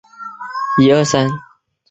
原址全境为黄埔船坞。